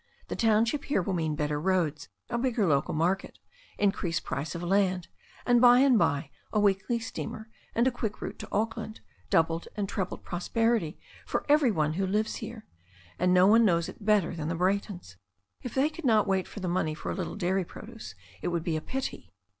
The township here will mean better roads, a big ger local market, increased price of land, and by and by a weekly steamer and a quick route to Auckland — doubled and trebled prosperity for every one who lives here. And no one knows it better than the Bra3rtons. If they could not wait for the money for a little dairy produce it would be a pity."